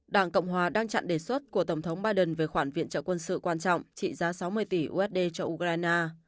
đảng cộng hòa đang chặn đề xuất của tổng thống biden về khoản viện trợ quân sự quan trọng trị giá sáu mươi tỷ usd cho ukraine